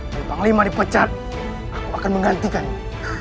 tapi panglima dipecat aku akan menggantikannya